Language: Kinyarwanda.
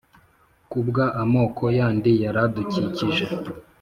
kubwa amoko yandi yaradukikije